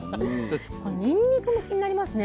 にんにくも気になりますね。